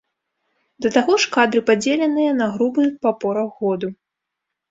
Да таго ж, кадры падзеленыя на групы па порах году.